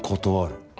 断る。